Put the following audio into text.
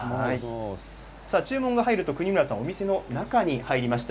注文が入ると國村さんはお店の中に入りました。